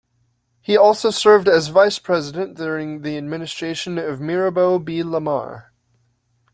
He also served as Vice President during the administration of Mirabeau B. Lamar.